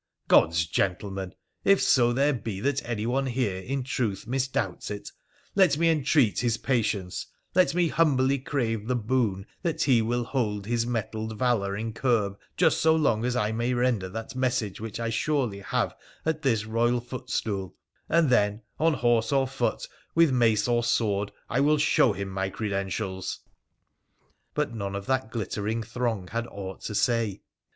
Gods, gentlemen ! if so there be that anyone here in truth misdoubts it, let me entreat his patience; let me humbly crave the boon that he will hold his mettled valour in curb just so long as I may render that message which I turjly have at this Koyal footstool, and then, on horse or foot, with mace or sword, I will show him my credentials !' But none of that glittering throng had aught to say.